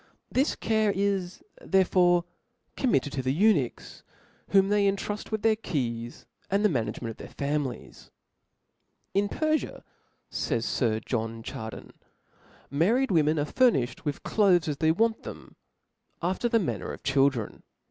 This care is therefore com mitted to the eunuchs, whom they intruft with their keys, and the management of their families, '* In Pcrfia, fays Sir John Chardin, married women • are furniflied with cloaths as they want them, *' after the manner of children.